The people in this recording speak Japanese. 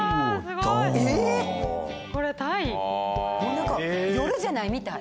何か夜じゃないみたい